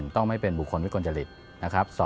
ต้องไม่เป็นบุคคลวิกลจริตนะครับ